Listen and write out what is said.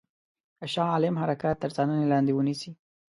د شاه عالم حرکات تر څارني لاندي ونیسي.